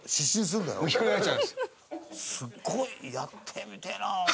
すごいやってみてえなあ。